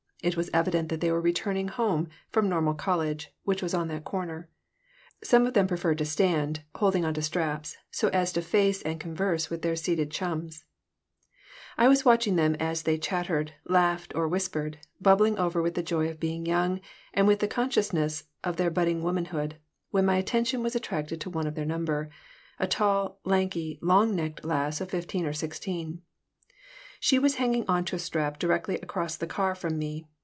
It was evident that they were returning home from Normal College, which was on that corner. Some of them preferred to stand, holding on to straps, so as to face and converse with their seated chums I was watching them as they chattered, laughed, or whispered, bubbling over with the joy of being young and with the consciousness of their budding womanhood, when my attention was attracted to one of their number a tall, lanky, long necked lass of fifteen or sixteen. She was hanging on to a strap directly across the car from me.